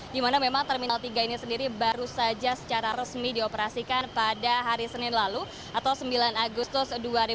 di mana memang terminal tiga ini sendiri baru saja secara resmi dioperasikan pada hari senin lalu atau sembilan agustus dua ribu dua puluh